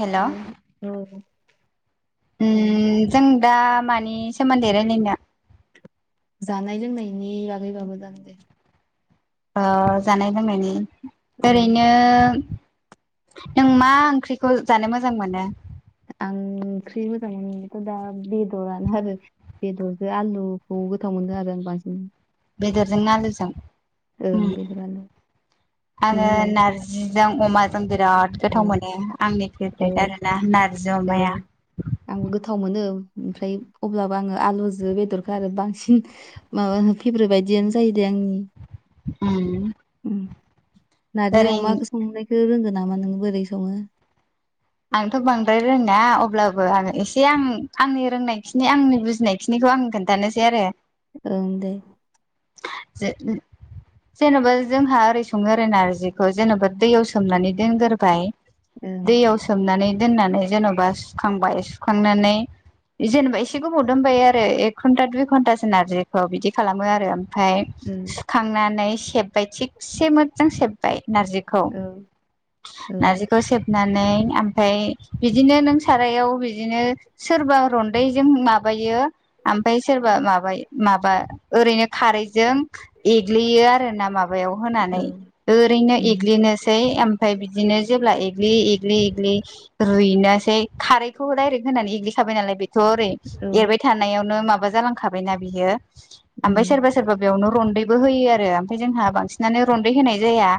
हेल' दे जों दा मानि सोमोन्दै रायलायनो जानाय लोंनायनि बागैबाबो जागोन दे ओ जानाय लोंनायनि औ ओरैनो नों मा ओंख्रिखौ जानो मोजां मोनो आं ओंख्रि मोजां मोनथ' दा बेदरानो आरो बेदरजों आलुखौ गोथाव मोनदों आरो बांसिन बेदरजों नालोजों ओं बेदर आलु आङो नोंलाय नारजि जों अमाजों गो बिराद गोथाव औ मोनो आंनि औ फेभ्रेट आरो ना नारजि औ अमाया आंबो गोथाव मोनो ओमफ्राय अब्लाबो आङो आलुजो बेदरखौ आरो बांसिन माब फेब्रेट बायदिनो जों जियो दे आं उम नार्जि ओरैनो अमाखौ संनायखौ रोंगोन नामा नोंङ बोरै सङो आंथ' बांद्राय रोङा अब्लाबो आङो एसे आं आंनि रोंनायखिनि आंनि बुजिनायखिनिखौ आं खिन्थानोसै आरो ओं दे जे जेन'बा जोंहा ओरै सङो ओरै नारजिखौ जेन'बा दैयाव सोमनानै दोनग्रोबाय ओं सनानै दोननानै जेन'बा सुखांबाय सुखांनानै जेनेबा एसे गोबाव दोनबायायो आरो एक घन्टा दुइ घन्टाासो नारजिखौ बिदि खालामो आरो ओमफफ्राय ओं सुखांनानै सेब्बाय थिगसे मोजां सेब्बाय नारजिखौ औ औ नारजिखौ सेबनानै ओमफफ्राय बिदिनो नों सारायाव बिदिनो सोरबा रन्दैजों माबायो ओमफ्राय सोरबा माबा माबा ओरैनो खारैजों एग्लियो आर ना माबायाव औ होनानै ओरैनो उम एग्लिनो सै मफ्राय बिदिनो जेब्ला एलि एलि रुइनोसै खारैखौ डाइरेक्ट होनानै एग्लिखाबाय नालाय बे थ' ओरै औ एरबाय थानायावनो माबा जालांखाबायना बियो ओमफफ्राय उम सोरबा सोरबा बेयावनो रन्दैबो होयो आरो ओमफ्राय जोंहा बांसिनानो रन्दै होनाय जाया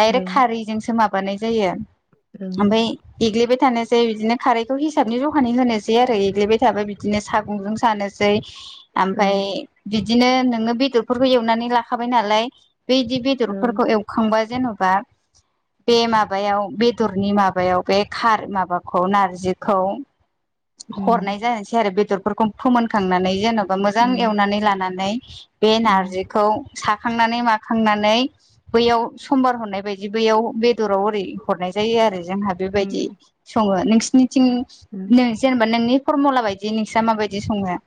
दायरेक्ट खारैजोंसो माबानाय जायो ओमफफ्राय एग्लिबाय थानोसै बिदिनो खारैखौ हिसाबनि जखानि होनोसै सै आरो एग्लिबाय थाबाय बिदिनो सागंजों सानोसै ओमफफ्राय बिदिनो नोङो बेदरफोरखौ एवनानै लाखाबाय नालाय बेदि बेदरफोरखौ एवखांबा जेन'बा बे माबायाव बेदरनि माबा माबायाव बेार माबाखौ नारजिखौ हरनाय जसै आरो बे बे फोनखांनानै जेनबा मोजां एवनानै लानानै बे नारजिखौ साखांनानै माखांनानै बैयाव समबार हरनाय बायदि बेैयाव बेदराव ओरै हरनाय जायो आरो जोंहा बेबायदि सङो नोंसिनि थिं नों जेनेबा नोंनि फरमुला बायदि नोंस माबायदि सङो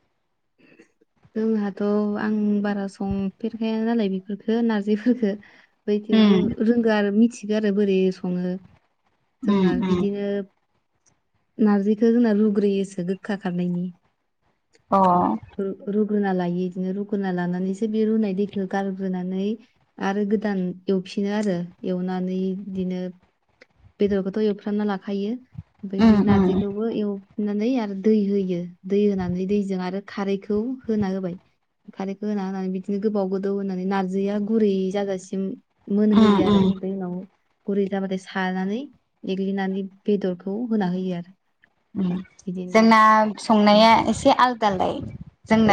जोंहाथ' आं बारा संफेरखाया नालाय बेफोरफोरखौ नारजिफोरखो बेफ्राय थेवबो उम रोंगौ आरो मिथिगौ आरो बोरै सङो उम जोंना उम बिदिनो नारजिखौ जोंना रुग्रोयोसो गोखा खारनायनि अ रुगोना लायो बिदिनो रुगुोनना लानानैसो बे रुनाय दैखौ गारग्रोनानै आरो गोदान एव फिनो आरो एवनानै बिदिनो बेदरखौथ' एवफ्रामना लाखायो ओमफ्राय बे उम उम नारजिखौबो एवफिननानै आरो दै होयो दै होनानै दैजों आरो खारैखौ होना होबाय खारैखौ होना होनानै बिदिनो गोबाव गोदौ होनानै नारजिया गुरै जाजासिम उम मोनहैयो आरो उम बे उनाव गुरै जाबाथाय सानानै एग्लिनानै बेदरखौ होना होयो आरो बिदिनो जोंना उम, संनाया एसे आलदा आलदाय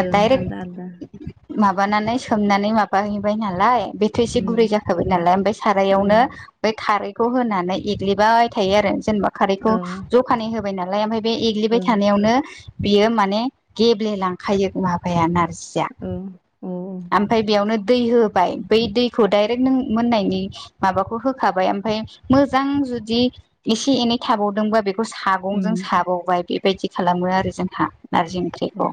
ओं आलदा आलदा माबानानै सोमनानै माबाहैबाय नालाय बेथोर एसे उम गुरै जाखाबाय नालाय ओमफ्राय उम सारायावनो बै खारै खौ होनानै एग्लिबाय थायो आरो जेनेबा औ खारैखौ जखानै होबाय नालाय ओमफ्राय बे एग्लिबाय ओं थानायावनो बियो माने गेब्लेलांखायो माबाया नारजि सिया औ औ ओमफ्राय बेयावनो दै होबाय बै दैखौ डाइरेक्ट नों मोननायनि माबाखौ होखाबाय ओमफ्राय मोजां जुदि एसे एनै थाबावदोंबा बेखौ उम सागंजों साबावबाय बेबायदि खालामो आरो जों औ नारजि ओं ओंख्रिखौ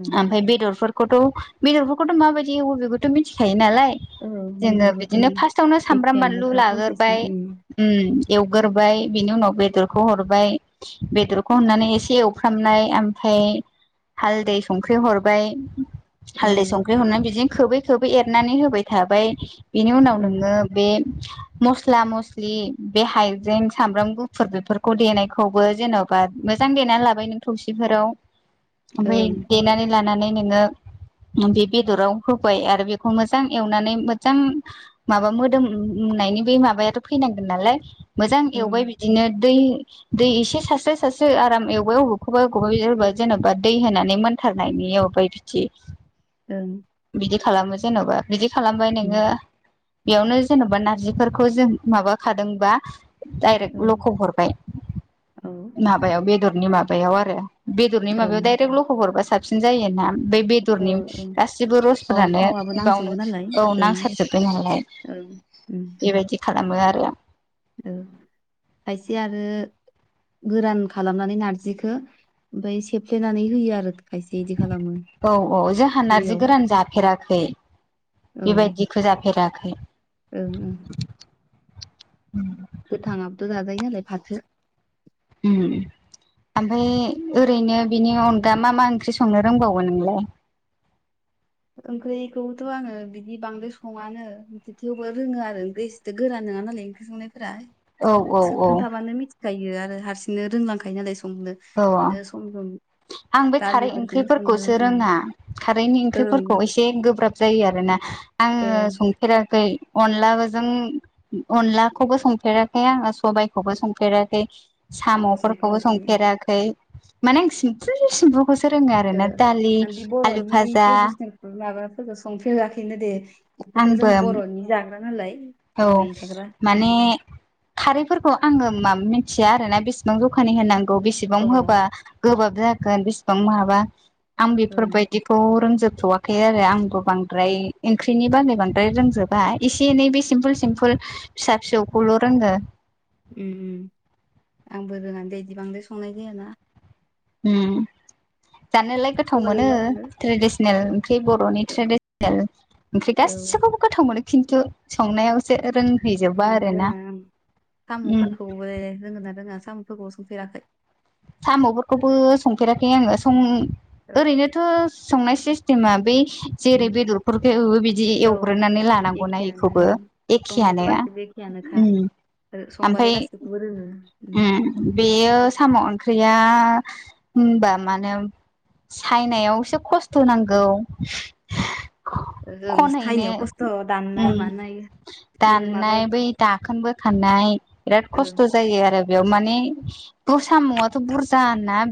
ओं बेदरफोर थ' बेदरफोरखौथ' माबायदि बेखौथ' मिथिखायो नालाय औ जोङो बेदरखौथ' ओं बिदिनो फार्स्टावनो सामब्राम बानलु एखेयानोखा प्रसेसा लाग्राय उम उम एवग्रोबाय बिनि उनाव बेदरखौ हर माय बेदरखौ होननानै एसे एवफ्रामनाय ओमफ्राय हालदै संख्रि हरबाय हालदै औ संख्रि हरनानै बिदिनो खोबै खोबै एरनानै होबाय थाबाय बेनि उनाव ओं नोङो बे मस्ला मस्लि बे हायजें सामब्राम गुफुर बे देनायखौबो जेन'बा मोजां देनानै लाबाय नों थौसिफोराव ओमफ्राय ओं देनानै लानानै नोङो बे बेदराव होबाय आरो बेखौ मोजां एवनानै मोजां माबा मोदोम नायनि बे माबायाथ' फैनांगोन नालाय मोजां ओं एवबाय बिदिनो दै दै एसे सास्र सारस्रि आराम एवबाय अबेखौबा एबायबा जेन'बा दै होनानै मोनथारनाय एवबाय बेदो औ खालामो जेन'बा बिदि खालामबाय नोङो बेयावनो जेन'बा नारजिफोरखौ जों माबाखादोंबा डायरेक्ट ओं लख' हरबाय औ माबायाव बेदरनि माबायाव आरो बेदरनि ओं माबायाव दडायरेक्ट ल'खब हरबा सासे साबसिन जायो ना बे औ बेदरनि ओं गासिबो अ रसफोरानो थावाबो नांजोबो बेावनो नालाय औ ओं नांसारजोब्बाय नालाय बेबायदि [inaudible] खालामो आरो औ खायसे आरो गोरान खालामनानै नारजिखौ ओमफ्राय सेफ्लेनानै होयो आरो खायसे इदि खालामो औ औ जोंहा नारजि दैयाव गोरान जाफेराखै बेबायदिखौ जाफेराखै ओ उ गोथाङाबोथ' जाजायो नालाय फाथो उम ओमफ्राय ओरैनो बिनि अनगा मा मा ओंख्रि संनो रोंबावो नोंलाय [inaudible] ओंख्रिखौथ' आङो बिदि बांद्राय सङानो थेवबो रोङो आरो ओंख्रिथ गोरा नङा नालाय ओंख्रि संनायफोरा औ औ खोनथाबानो मिथिखायो आरो हारसिंनो रोंलांखायो नालाय संनो औ बिदिनो सम सम आं बे खारै दालिफोरखौनो संनो ओंख्रिफोरखौसो उम रोङा खारैनि ओं ओंख्रिफोरखौ एसे गोब्राब जायो आरोना आङो ओं संफेराखै अनलाजों अनलाखौबो संफेराखै आङो सबायाइखौबो संफेराखै? साम'फोरखौबो संफेराखै माने आं सिम्फु सिम्फु खौसो रोंङो आरो ओ ना दालि, आं आलु फाजा फोरखौ संफेराखैनो दे बेखौथ' आंबो जोंनि बर'नि जाग्रा नालाय। औ गुबै जाग्रा माने उम खारैफोरखौ आंङो माम मिथिया आरोना बेसेबां जखानि होनांगौ बेसेबां अ ओं होबा गोबाब दागोन बेसेबां माबा आं ओं बेफोरबायदिखौ रोंजोबथ'वाखै आरो आं द बांद्राय ओंख्रिनि बागै बांद्राय रोंजोबा एसे एनै बे सिम्पोल सिमपोल फिसा उम फिसौखौल' रोंङो। उम आंबो रोंङा दै बिदि बांद्राय संनाय जायाना। उम जानोलाय गोथाव सबाइ मोनो हो ट्रेडिसनेल ख्रि बर'नि ट्रेडिसनेल ओंख्रि औ गासिखौबो गोथाव मोनो खिन्थु संनायावसो रों संनो रोंङा उम साम'फोरखौबो रोंगोना रोंङा? ‌सम' फोरखौ सोंफेराखै? साम'फोरखौबो संफेराखै आंङो सं ओरैनोथ' संनाय सिस्टिमा बि जेरै' उम, बेदरफोरखौ एवओ बिदि औ एवग्रोनानै लानांगौना इखौबो एखेयानो। केयानोखा। ओमफाय उम बेयो साम' ओंख्रिया आ होनबा मानो सायनायावसो खस्थ' नांगौ। जों खनहैनो सायनायाव खस्थ' दाननाय उम मानाय एर माबा दाननाय बै दाखोनबोखानाय बिराद ओ खस्थ' जायो आरो। बेयाव माने द साम'वाथ' बुरजा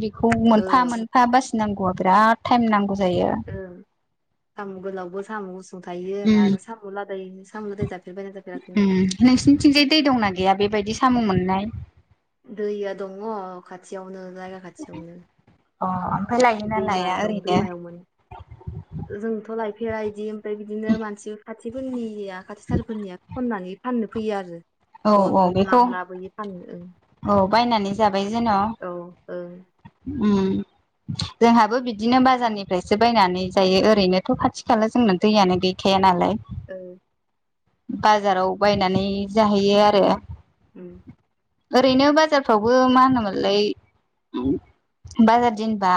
बेखौ औ मोनफा मोनफा बासि नांगौ आ बिराद टाइम नांगौ। जायो औ साम' गोलावबो साम' गुसुं थायो उम आरो साम' लादाय साम' लादाय जाफेरबायना जाफेराखै उम नोंलाय नोंसिनिथिंजाय दै दंना गैया बेबायदि साम' मोननाय? दैया दंङ खाथियावनो जायगा खाथियावनो। अ ओमफ्राय लायोना दैमा लाया दं ओरैनो दैमायावमोन जोंथ' लाइफ फेरा इदि ओमफ्राय बिदिनो मानसि खाथिफोरनिया खाथि थारफोरनिया खननानै फाननो फैयो आरो। औ न' औ न' बेखौ लां लाबोयो फानो। औ बायनानै जाबाय जेन'। ओं उम जोंहाबो बिदिनो बाजारनिफ्रायसो बायनानै जायो ओरैनोथ' खाथि खाला जोंनो दैयानो गैखाया नालाय। ओं बाजाराव बायनानै जाहैयो आरो। उम ओरैनो बाजारफ्रावबो मा होनोमोनलाय बाजार दिनबा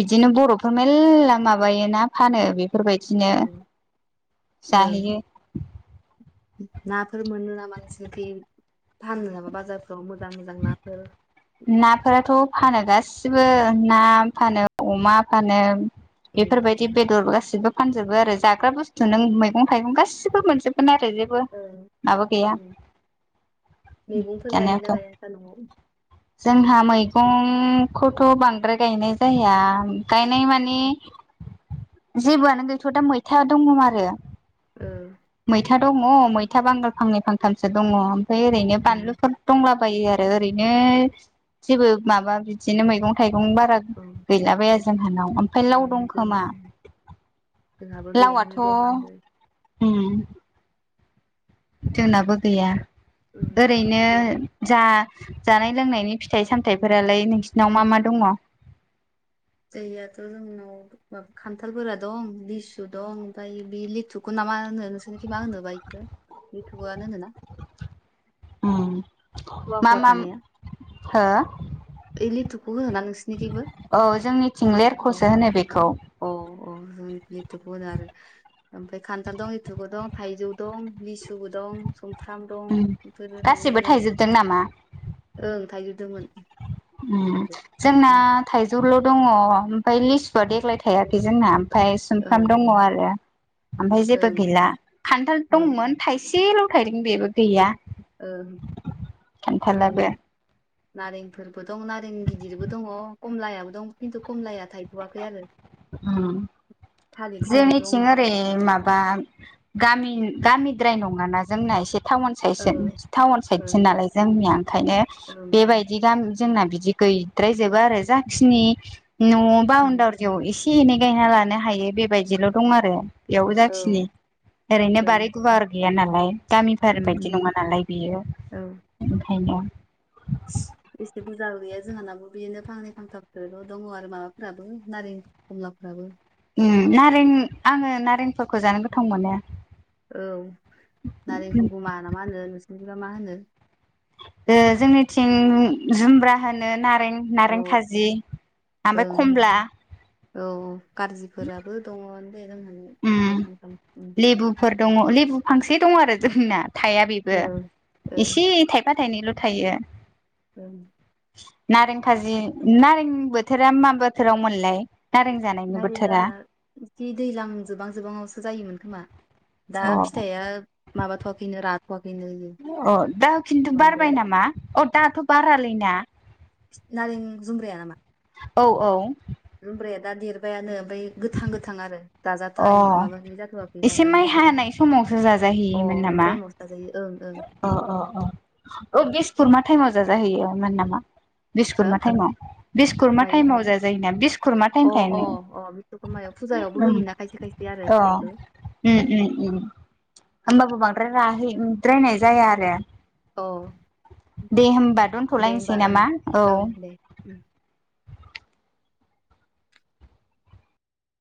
बिदिनो बर'फोर मेल्ला माबायोना फानो बे बेफोरबायदिनो ओं ओं जाहैयो नाफोर मोनो नामा नोंसोरखै फानो नामा बाजारफ्राव मोजां मोजां नाफोर? नाफोराथ' फानो गासिबो ना फानो अमा फानो उम बेफोरबायदि बेदर गासि सिबो फानजोबो आरो जाग्रा बुस्थु नों मैगं थाइगं गासिबो मोनजोबगोन आरो। जेबो औ उम माबा गैया मैगंफोर जानायावथ' गायोना गाया नोंसा न'आव? जोंहा मैगं खौथ' बांद्राय गायनाय जाया गायनाय माने जेबोआनो गैथ' दा मैथा दंङ आरो। औ था दंङ मैथा बांगाल फांनै फांथामसो दंङ ओमफाय ओरैनो उम बानलुफोर दंला बयो आरैनो जेबो माबा बिदिनो मैगं थाइ गं दं बारा ओं गैलाबाया जोंहानाव ओमफ्राय लाव ओं जों दंखोमा। जोंहाबो गैयानो दे बांद्राय। होम जोंनाबो गैया उम ओरैनो ओं जा जानाय लोंनायनि फिथाइ सामथायफोरालाय नोंसिनाव मा मा दङ? दंनायाथ जोंनाव मा खान्थालफोरा दं लिसु दं ओमफ्राय बे लिथुख ना मा होनो नोंसोरनिखि मा होनो बा इखौ इउटुबानो होनोना? [inaudible] ओं थखा थखा थानाया। हो ओइ लिथुखौ होनोना नोंसिनिखैबो औ जोंनिथिं अ लेरखसो होनो बेखौ। अ अ जों लिथुख होनो आरो ओमफ्राय खान्थाल दं लिथुखबो दं थाइजौ दं लिसुबो दं। दं संफ्राम दं उम बेफोरो दङ गासिबो थाइजोबदों नामा ओं थाइजौ दंमोन। जोंना थाइजौल दङ ओमफ्राय लिसुआ देग्लाय थायाखै जोंना। ओमफ्राय औ सुमफ्राम ओं दङ आरो ओमफ्राय जेबो ओं गैला खान्थाल दंमोन थाइसेल थायदों बेेबो गैया। ओ आरो। खान्थालाबो नारेंफोरबो दं नारें गिदिरबो दङ खमलायाबो दं खिन्थु खमलाया थायथआखै आरो उम थालिरफोर दं जोंनिथिं ओरै माबा गामि गामिद्राय नङाना जोंना एसे टाउन साइस औ ओं टाउन साइदसो ओं नालाय जोंनिया ओंखायनो बेबायदि गामि जोंना बिदि गैयद्राय जोबा आरो जाखिनि न उम बाउनदा थियाव एसे एनै गायना लानो हायो बेबायदिल' दं आरो बेयावबो औ जाखिनि ओरैनो ओं बारि गुवार गैया नालाय। गामिफोर उम बायदि उम नङा नालाय बेयो औ ओंखायनो। एसे बुरजा गैया जोंहानाबो बिदिनो फांनै फांथाफोरल दङ आरो माबाफोराबो नारें खमलाफ्राबो उम नारें आंङो नारेंफोरखौ जानो गोथाव मोनो। औ नारें खौ बा ना मा होनो नोंसिनिथिंबा मा होनो। जोंनिथिं जुमब्रा होनो ना रें औ नारें खाजि ओमफ्राय ओं कमला औ खारजिफोराबो दङ दे जोंहानाव फांनै उम फांथाम लेबुफोर दङ लेबु फांसे दं आरो जोंना थाया बेबो ओ ओ एसे थायफा थाइनैल थायो। औ। नारें खाजि नारें बोथोरा मा बोथोराव मोनलाय? नारें जानायनि ओरैनो बोथोरा जि दैज्लां जोबां जोबांङावसो जायोमोन खोमा। दा अ फिथाइया माबाथवाखैनो राथवाखैनो। अ दा खिन्थु बारबाय बांद्राय नामा अ दाथ बारालैना। नारें जुमब्राया नामा? औ औ। जुमब्राया दा देरबायानो ओमफ्राय गोथां गोथां आरो। दा जाजाथवा अ माबानाय जाथवाखै एसे माइ जाजानाय जाथवाखै हानाय समावसो अ जाजाहैयोमोन इ नामा टाइमावसो जाजायो ओं। अ अ अ औ बिसकरमा टाइमाव जाजाहैयोन मोन नामा! हो बिस्कुरमा टाइमाव बिस्कुरमा मायो टाइमाव जाजायोना बिस्कुरमा अ टाइम अ थायो। अ बिस्वकर्मायाव फुजायावबो होयो ना। अ उम उम उम होमबाबो बांद्राय राहै द्रायनाय जाया आरो। अ दे होमबा दे होमबा दोनथलायसै ओं नामा औ। ओं दे उम